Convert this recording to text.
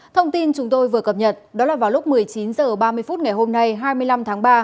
thông tin chúng tôi vừa cập nhật đó là vào lúc một mươi chín h ba mươi phút ngày hôm nay hai mươi năm tháng ba